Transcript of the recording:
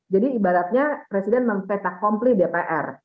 jadi ibaratnya presiden mempetak kompli dpr